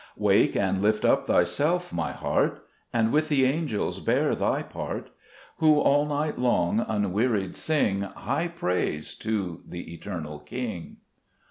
4 Wake and lift up thyself, my heart, And with the angels bear thy part, Who all night long, unwearied, sing High praise to the Eternal King.